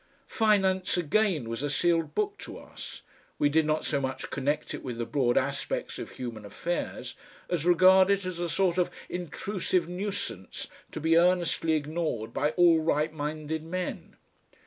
Finance again was a sealed book to us; we did not so much connect it with the broad aspects of human affairs as regard it as a sort of intrusive nuisance to be earnestly ignored by all right minded men.